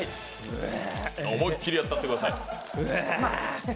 思いっきりやったってください。